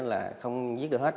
là không giết được hết